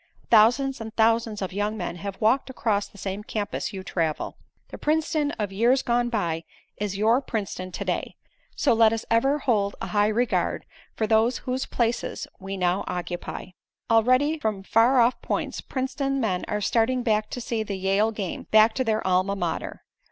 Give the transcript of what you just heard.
Thousands and thousands of young men have walked across the same campus you travel. The Princeton of years gone by, is your Princeton to day, so let us ever hold a high regard for those whose places we now occupy. "Already from far off points, Princeton men are starting back to see the Yale game back to their Alma Mater.